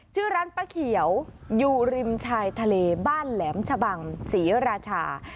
ชื่อร้านป้าเขียวอยู่ริมชายทะเลบ้านแหลมชะบังศรีราชา